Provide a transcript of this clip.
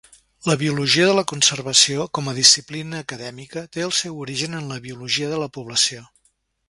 La biologia de la conservació com a disciplina acadèmica té el seu origen en la biologia de la població.